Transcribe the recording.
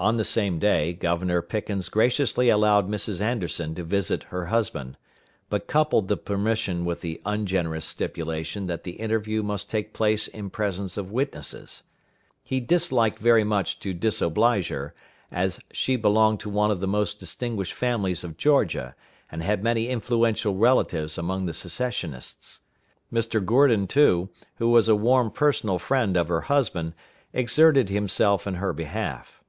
On the same day, Governor Pickens graciously allowed Mrs. Anderson to visit her husband, but coupled the permission with the ungenerous stipulation that the interview must take place in presence of witnesses. He disliked very much to disoblige her, as she belonged to one of the most distinguished families of Georgia, and had many influential relatives among the Secessionists. Mr. Gourdin too, who was a warm personal friend of her husband, exerted himself in her behalf.